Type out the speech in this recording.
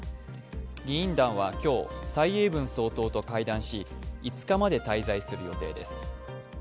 議員団は今日、蔡英文総統と会見し５日まで滞在する予定です。